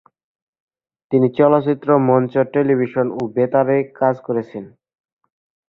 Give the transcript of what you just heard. তিনি চলচ্চিত্র, মঞ্চ, টেলিভিশন ও বেতারে কাজ করেছেন।